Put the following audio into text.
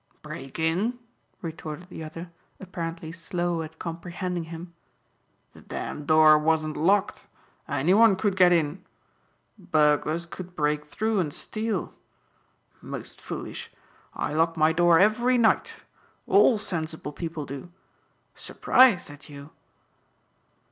"Break in?" retorted the other, apparently slow at comprehending him, "the damn door wasn't locked. Any one could get in. Burglars could break through and steal. Most foolish. I lock my door every night. All sensible people do. Surprised at you."